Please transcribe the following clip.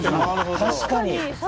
確かに。